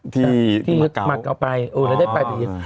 ที่มาเกาะไปแล้วได้ไปบุญเยอะ